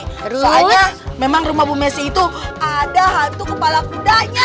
soalnya memang rumah bu messi itu ada hantu kepala kudanya